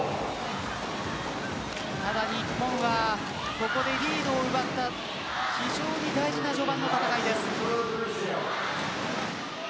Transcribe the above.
ただ日本はここでリードを奪った非常に大事な序盤の戦いです。